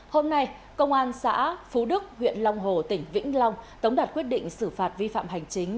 hôm nay công an xã phú đức huyện long hồ tỉnh vĩnh long tống đạt quyết định xử phạt vi phạm hành chính